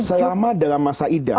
selama dalam masa idah